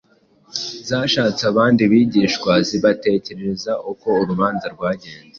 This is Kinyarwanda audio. zashatse abandi bigishwa zibatekerereza uko urubanza rwagenze.